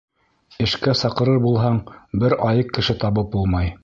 Эшкә саҡырыр булһаң, бер айыҡ кеше табып булмай.